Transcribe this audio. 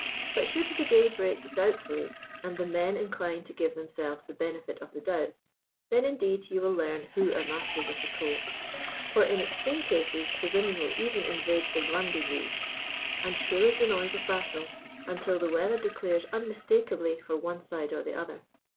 But should the day break doubtfully, and the men incline to give themselves the benefit of the doubt, then, indeed, you will learn who are masters of the Cove. For in extreme cases the women will even invade the 'randivoo,' and shrill is the noise of battle until the weather declares unmistakably for one side or the other.